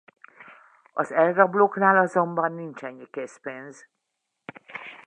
Az elrablóknál azonban nincs ennyi készpénz.